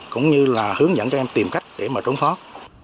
cũng như là hướng dẫn cho em tìm cách để mà trốn thoát